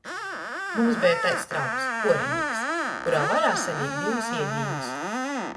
Mums beja taids trauks – puorinīks, kurā varēja salīt divus iedīņus.